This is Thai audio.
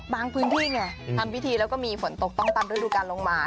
บางพื้นที่ไงทำพิธีแล้วก็มีฝนตกตั้งตั้งด้วยดูกันลงมา